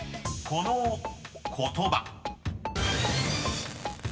［この言葉］